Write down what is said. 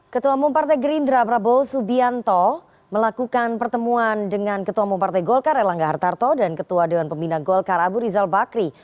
ketua umum partai gerindra prabowo subianto melakukan pertemuan dengan ketua umum partai golkar erlangga hartarto dan ketua dewan pembina golkar abu rizal bakri